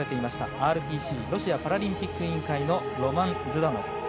ＲＰＣ＝ロシアパラリンピック委員会のロマン・ズダノフ。